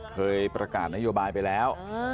เคยประกาศนโยบายไปแล้ว